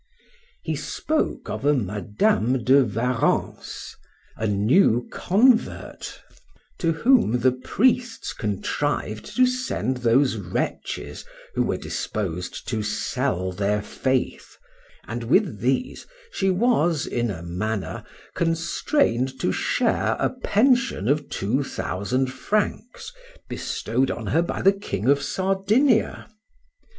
He spoke of a Madam de Warrens, a new convert, to whom the priests contrived to send those wretches who were disposed to sell their faith, and with these she was in a manner constrained to share a pension of two thousand francs bestowed on her by the King of Sardinia.